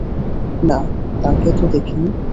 না, তাকে তো দেখিনি!